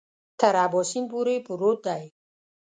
تر اباسین پورې پروت دی.